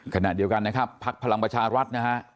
ขณะเดียวกันพรรณพญาชาวัสดิ์